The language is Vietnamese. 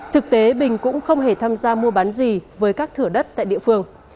thực tế bình cũng không hề tham gia mua bán gì với các thửa đất tại địa phương